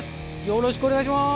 よろしくお願いします。